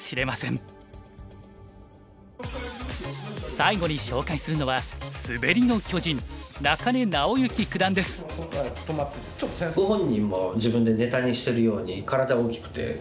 最後に紹介するのはご本人も自分でネタにしてるように体大きくて。